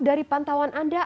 dari pantauan anda